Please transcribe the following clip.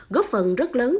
góp phần rất lớn